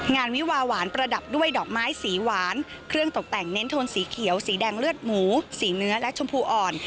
วิวาหวานประดับด้วยดอกไม้สีหวานเครื่องตกแต่งเน้นโทนสีเขียวสีแดงเลือดหมูสีเนื้อและชมพูอ่อน